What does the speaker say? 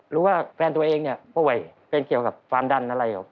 รู้ว่าแฟนตัวเองเคยเกี่ยวกับความดันอะไร